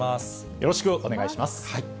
よろしくお願いします。